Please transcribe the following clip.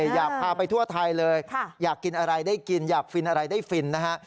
อยากพาไปทั่วไทยเลยอยากกินอะไรได้กินอยากฟินอะไรได้ฟินนะฮะ